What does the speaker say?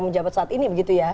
menjabat saat ini begitu ya